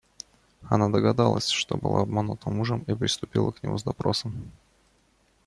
Она догадалась, что была обманута мужем, и приступила к нему с допросом.